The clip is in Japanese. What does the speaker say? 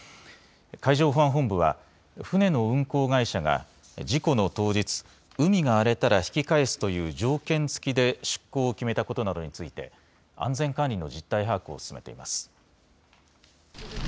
海上保安本部は船の運航会社が事故の当日、海が荒れたら引き返すという条件付きで出航を決めたことなどについて安全管理の実態把握を進めています。